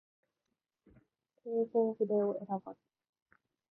弘法筆を選ばず